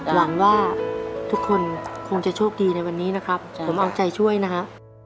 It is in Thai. หวังว่าทุกคนคงจะโชคดีในวันนี้นะครับผมเอาใจช่วยนะฮะ